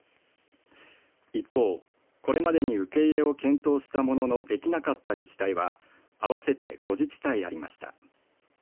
一方、これまでに受け入れを検討したもののできなかった自治体は合わせて５自治体ありました。